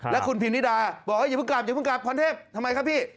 และคุณพิมพ์นิดาบอกว่าอย่าเพิ่งกลับอย่ากลับพรณเทพทำไมคะพี่